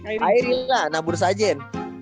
airi lah nabur sajin